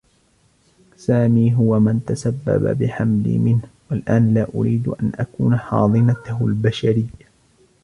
سامي هو من تسبّب بحملي منه و الآن لا أريد أن أكون حاضنته البشريّة.